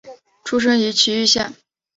出身于崎玉县。